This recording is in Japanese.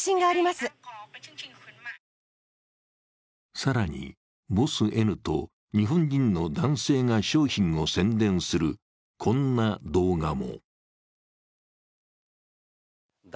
更に、ボスＮと日本人の男性が商品を宣伝するこんな動画も。